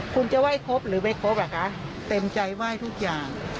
คุณจะไหว้ครบหรือไม่ครบอ่ะคะเต็มใจไหว้ทุกอย่าง